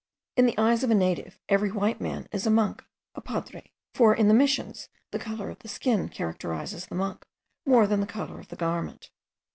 In the eyes of a native every white man is a monk, a padre; for in the Missions the colour of the skin characterizes the monk, more than the colour of the garment.